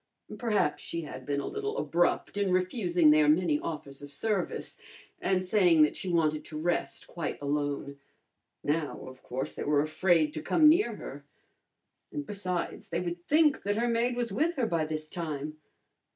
Perhaps she had been a little abrupt in refusing their many offers of service and saying that she wanted to rest quite alone. Now, of course, they were afraid to come near her. And, besides, they would think that her maid was with her by this time.